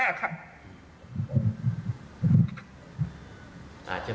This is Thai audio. อันอ้างตันใจ